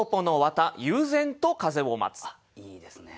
あっいいですね。